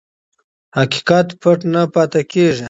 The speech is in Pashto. حقیقت پټ نه پاتې کېږي.